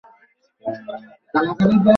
তাই আমিই ওকে থামিয়ে দিয়েছিলাম।